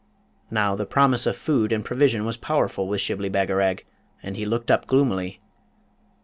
Now, the promise of food and provision was powerful with Shibli Bagarag, and he looked up gloomily.